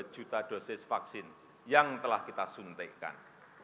satu ratus tiga puluh dua juta dosis vaksin yang telah kita suntikan